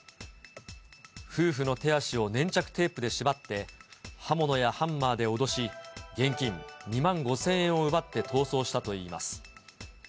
夫婦の手足を粘着テープで縛って、刃物やハンマーで脅し、現金２万５０００円を奪って逃走したといいます。